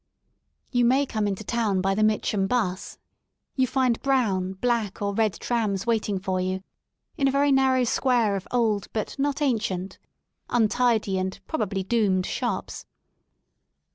You may come into town by the Mitcham *bus. You find brown, black or red trams waiting for you in a very narrow Square of old, but not ancient, untidy, and probably doomed " shops.